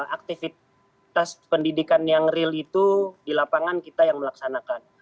aktivitas pendidikan yang real itu di lapangan kita yang melaksanakan